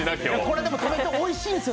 でも、おいしいんですよ